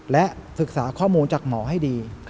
และศึกษาข้อมูลจากหมอให้ดี